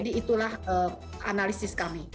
jadi itulah analisis kami